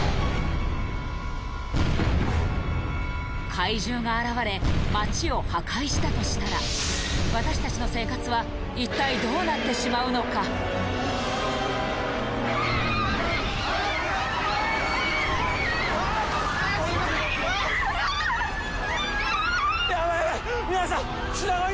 怪獣が現れ街を破壊したとしたら私達の生活は一体どうなってしまうのかヤバい